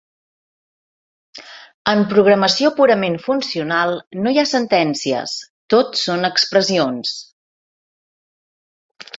En programació purament funcional no hi ha sentències, tot son expressions.